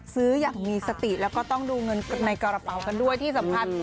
ซื้ออย่างมีสติแล้วก็ต้องดูเงินในกระเป๋ากันด้วยที่สำคัญ